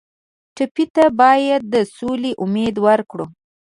ټپي ته باید د سولې امید ورکړو.